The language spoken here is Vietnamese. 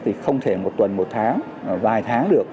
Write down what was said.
thì không thể một tuần một tháng vài tháng được